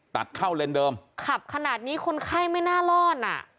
ตัดเข้าเลนเดิมขับขนาดนี้คนไข้ไม่น่ารอดอ่ะ